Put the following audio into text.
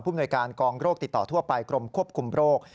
หน่วยการกองโรคติดต่อทั่วไปกรมควบคุมโรค